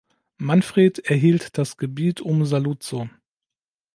Manfred erhielt das Gebiet um Saluzzo.